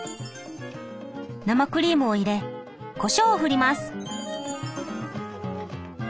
生クリームを入れこしょうをふります。